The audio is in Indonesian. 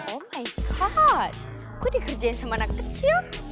oh my god kok dikerjain sama anak kecil